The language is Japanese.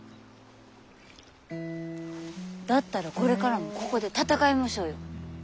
だったらこれからもここで戦いましょうよ。